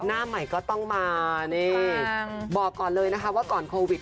หน้าใหม่ก็ต้องมานี่บอกก่อนเลยนะคะว่าก่อนโควิด